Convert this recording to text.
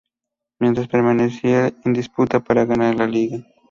Mientras permanecía en disputa para ganar la liga.